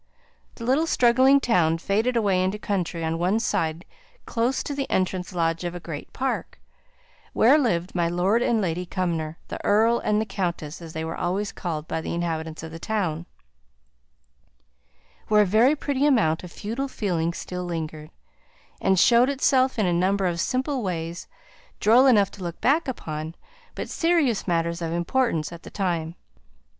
The little straggling town faded away into country on one side close to the entrance lodge of a great park, where lived my Lord and Lady Cumnor: "the earl" and "the countess," as they were always called by the inhabitants of the town; where a very pretty amount of feudal feeling still lingered, and showed itself in a number of simple ways, droll enough to look back upon, but serious matters of importance at the time.